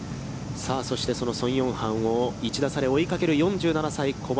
そして、その宋永漢を１打差で追いかける４７歳、小林。